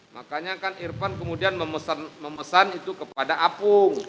makanya kan irfan kemudian memesan itu kepada apung